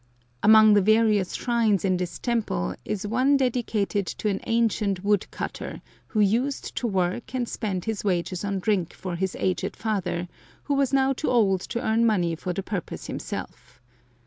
Among the various shrines in this temple is one dedicated to an ancient wood cutter, who used to work and spend his wages on drink for his aged father, who was now too old to earn money for the purpose himself.